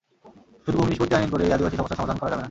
শুধু ভূমি নিষ্পত্তি আইন করেই আদিবাসী সমস্যা সমাধান করা যাবে না।